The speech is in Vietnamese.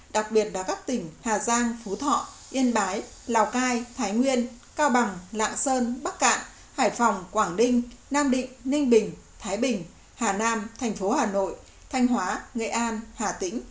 đặc biệt là các tỉnh hà giang phú thọ yên bái lào cai thái nguyên cao bằng lạng sơn bắc cạn hải phòng quảng ninh nam định ninh bình thái bình hà nam thành phố hà nội thanh hóa nghệ an hà tĩnh